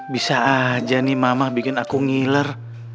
bisa aja nih mama bikin aku ngiler